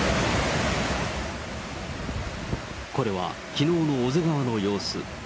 これは、きのうの小瀬川の様子。